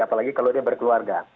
apalagi kalau dia berkeluarga